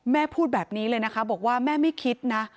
แม่พูดแบบนี้เลยนะคะบอกว่าแม่ไม่คิดนะ